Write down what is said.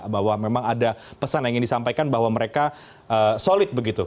bahwa memang ada pesan yang ingin disampaikan bahwa mereka solid begitu